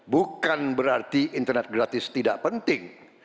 bukan berarti internet gratis tidak penting